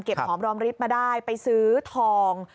หอมรอมริบมาได้ไปซื้อทอง